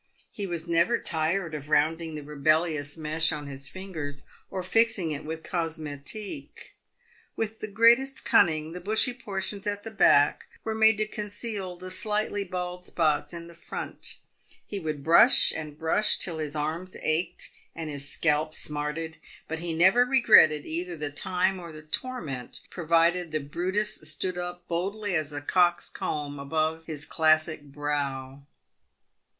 He was never tired of rounding the rebellious mesh on his fingers, or fixing it with cosmetique. With the greatest cunning the bushy portions at the back were made to conceal the slightly bald spots in the front. He would brush and brush till his arms ached and his scalp smarted, but he never regretted either the time or the torment provided the Brutus stood up boldly as a cock's comb above his classic brow.